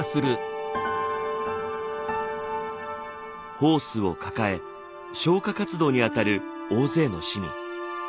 ホースを抱え消火活動に当たる大勢の市民。